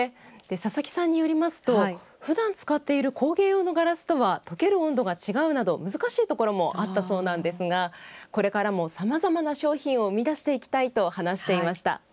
佐々木さんによりますとふだん使っている工芸用のガラスとは溶ける温度が違うなど難しいところもあったそうなんですがこれからもさまざまな商品を生み出していきたいと話していました。